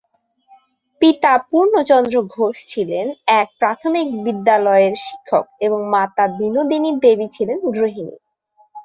পিতা পূর্ণচন্দ্র ঘোষ ছিলেন এক প্রাথমিক বিদ্যালয়ের শিক্ষক এবং মাতা বিনোদিনী দেবী ছিলেন গৃহিণী।